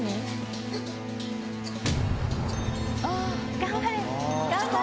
頑張れ！